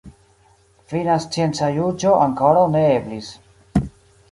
Fina scienca juĝo ankoraŭ ne eblis.